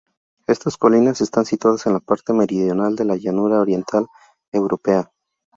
Estas colinas están situadas en la parte meridional de la Llanura Oriental Europea.